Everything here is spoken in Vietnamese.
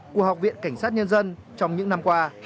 của học viện cảnh sát nhân dân trong những năm qua